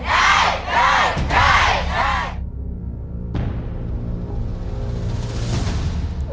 ได้หรือไม่ได้